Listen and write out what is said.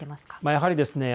やはりですね